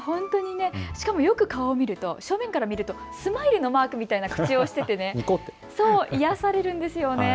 しかもよく顔を見ると正面から見るとスマイルのマークのような口をしてて、癒やされるんですよね。